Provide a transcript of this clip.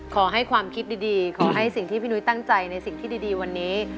ขอให้ความคิดดีขอให้สิ่งที่พี่นุ้ยตั้งใจในสิ่งที่ดีวันนี้